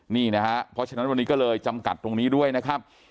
นี่นะฮะเพราะฉะนั้นวันนี้ก็เลยจำกัดตรงนี้ด้วยนะครับ